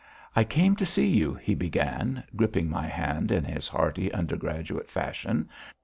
"I came to see you!" he began, gripping my hand in his hearty, undergraduate fashion.